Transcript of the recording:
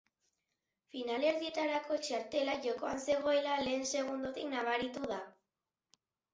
Finalerdietarako txartela jokoan zegoela lehen segundotik nabaritu da.